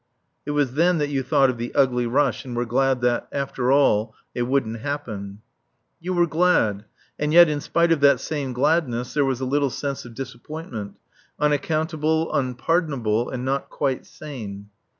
It was then that you thought of the ugly rush and were glad that, after all, it wouldn't happen. You were glad and yet in spite of that same gladness, there was a little sense of disappointment, unaccountable, unpardonable, and not quite sane.